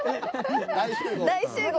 大集合。